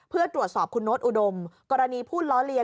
เพื่อตรวจสอบคุณโน๊ตอุดมกรณีผู้ล้อเลีย